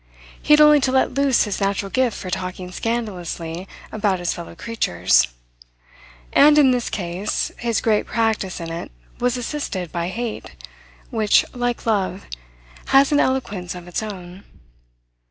He had only to let loose his natural gift for talking scandalously about his fellow creatures. And in this case his great practice in it was assisted by hate, which, like love, has an eloquence of its own.